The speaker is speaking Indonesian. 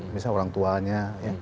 misalnya orang tuanya